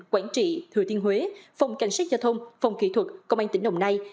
quảng trị thừa thiên huế phòng cảnh sát giao thông phòng kỹ thuật công an tỉnh đồng nai